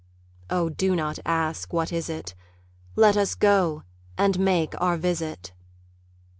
Oh, do not ask, "What is it?" Let us go and make our visit.